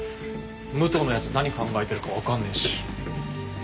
武藤のやつ何考えてるか分かんねえし。